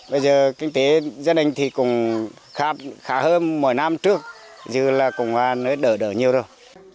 bây giờ kinh tế gia đình thì cũng khá hơn mỗi năm trước dù là cũng đỡ đỡ nhiều rồi